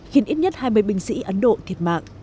khiến ít nhất hai mươi binh sĩ ấn độ thiệt mạng